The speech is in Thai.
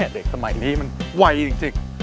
เด็กสมัยนี้มันไวจริง